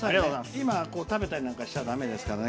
今、食べたりしちゃだめですからね。